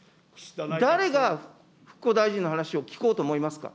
誰が復興大臣の話を聞こうと思い